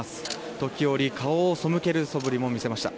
時折、顔を背けるそぶりも見せました。